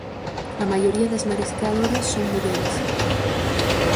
A maioría das mariscadoras son mulleres.